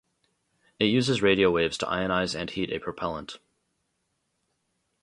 It uses radio waves to ionize and heat a propellant.